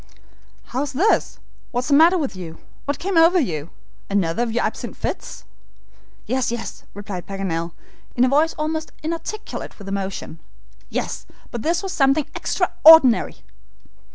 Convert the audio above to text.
"How's this? What is the matter with you? What came over you? Another of your absent fits." "Yes, yes," replied Paganel, in a voice almost inarticulate with emotion. "Yes, but this was something extraordinary."